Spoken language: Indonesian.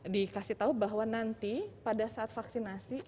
dikasih tahu bahwa nanti pada saat vaksinasi